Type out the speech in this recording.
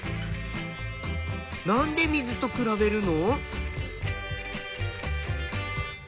なんで水と比べるの？